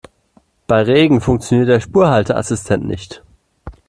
Bei Regen funktioniert der Spurhalteassistent nicht.